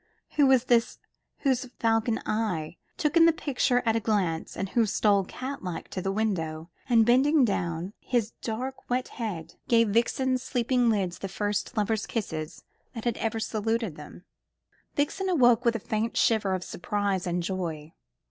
Who was this whose falcon eye took in the picture at a glance, and who stole cat like to the window, and bending down his dark wet head, gave Violet's sleeping lips the first lover's kiss that had ever saluted them? Violet awoke with a faint shiver of surprise and joy.